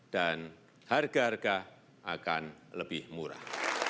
dan harga harga akan lebih murah